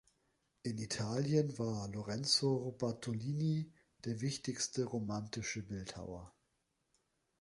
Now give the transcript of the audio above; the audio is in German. In Italien war Lorenzo Bartolini der wichtigste romantische Bildhauer.